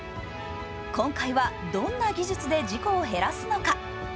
今回はどんな技術で事故を減らすのか。